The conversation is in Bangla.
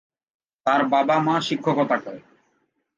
তার বাবা-মা শিক্ষকতা করেন।